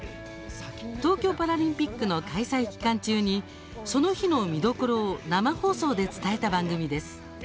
東京パラリンピックの開催期間中にその日の見どころを生放送で伝えた番組です。